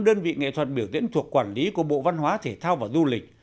đơn vị nghệ thuật biểu diễn thuộc quản lý của bộ văn hóa thể thao và du lịch